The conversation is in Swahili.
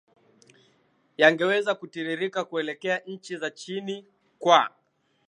yangeweza kutiririka kuelekea nchi za chini kwa